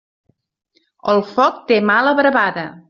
El foc té mala bravada.